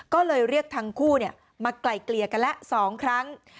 ก็เลยเรียกทั้งคู่มาไกลเกลี่ยกันละ๒ครั้ง